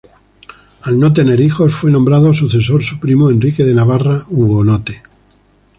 Al no tener hijos, fue nombrado sucesor su primo Enrique de Navarra, hugonote.